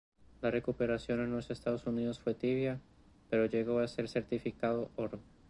La recepción en los Estados Unidos fue tibia pero llegó a ser certificado oro.